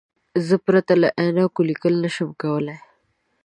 زه پرته له عینکو لیکل نشم کولای.